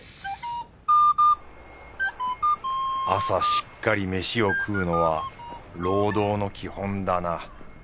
朝しっかり飯を食うのは労働の基本だな。